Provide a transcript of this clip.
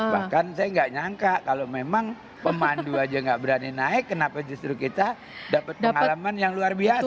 bahkan saya nggak nyangka kalau memang pemandu aja nggak berani naik kenapa justru kita dapat pengalaman yang luar biasa